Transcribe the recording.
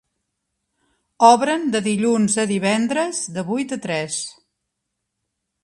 Obren de dilluns a divendres, de vuit a tres.